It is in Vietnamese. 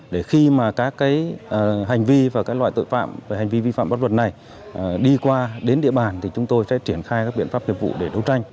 để khi mà các hành vi và các loại tội phạm về hành vi vi phạm bắt luật này đi qua đến địa bàn thì chúng tôi sẽ triển khai các biện pháp nghiệp vụ để đấu tranh